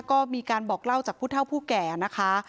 ก็มีการบอกเล่าจากผู้เท่าผู้แก่นะคะ